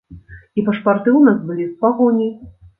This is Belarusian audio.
І пашпарты ў нас былі з пагоняй.